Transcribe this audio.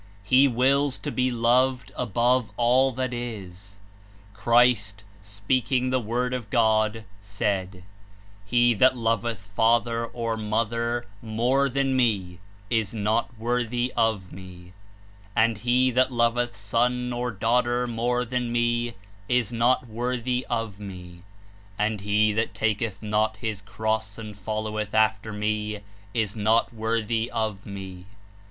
"He wills to be loved above all that is." Christ, speaking the Word of God, said: ''He that loveth father or mother more than me is not worthy of me, and he that loveth son or daughter more than me is not worthy of me, and he that taketh not his cross and followeth after me is not zvorlhy of me.